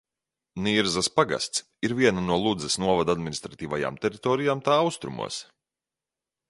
Nirzas pagasts ir viena no Ludzas novada administratīvajām teritorijām tā austrumos.